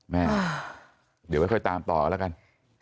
เดี๋ยวไว้ค่อยตามต่อแล้วกัน